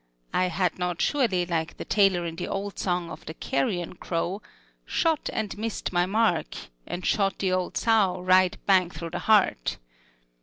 I had not surely, like the tailor in the old song of the 'Carrion Crow,' "Shot and missed my mark, And shot the old sow right bang through the heart."